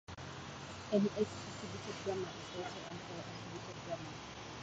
Any S-attributed grammar is also an L-attributed grammar.